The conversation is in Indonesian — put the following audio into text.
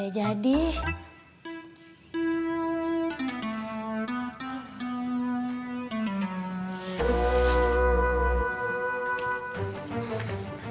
kamu lista dia